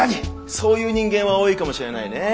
そういう人間は多いかもしれないねえ。